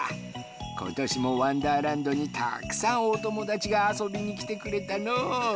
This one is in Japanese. ことしもわんだーらんどにたくさんおともだちがあそびにきてくれたのう。